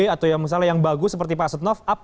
atau yang misalnya yang bagus seperti pak setnov